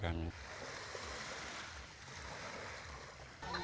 kami juga dapat